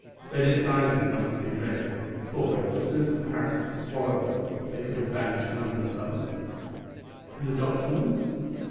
Their disguises must have been ready, for if the sewers of Paris had swallowed them they could have vanished no more suddenly. And the document?